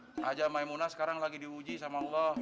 raja maimunah sekarang lagi diuji sama allah